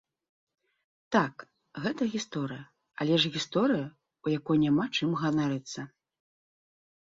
Так, гэта гісторыя, але ж гісторыя, у якой няма чым ганарыцца.